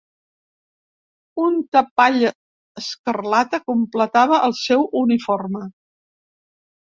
Un tapall escarlata completava el seu uniforme.